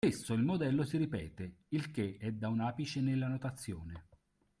Spesso il modello si ripete, il che è da un apice nella notazione.